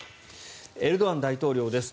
エルドアン大統領です。